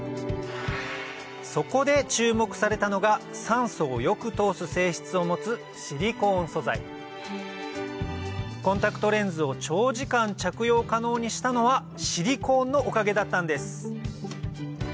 そこで注目されたのが酸素をよく通す性質を持つシリコーン素材コンタクトレンズを長時間着用可能にしたのはシリコーンのおかげだったんです